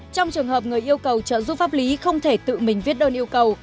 trong trường hợp người yêu cầu trợ giúp pháp lý không thể tự mình viết đơn yêu cầu